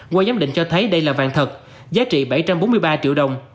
qua giám định cho thấy đây là vàng thật giá trị bảy trăm bốn mươi ba triệu đồng